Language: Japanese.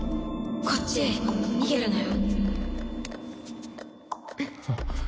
こっちへ逃げるのよ。